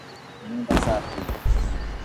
Nyumba safi.